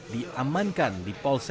diamankan di perumahan desa